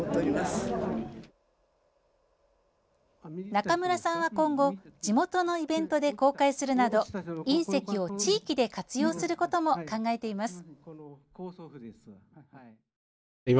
中村さんは今後地元のイベントで公開するなど隕石を地域で活用することも考えています。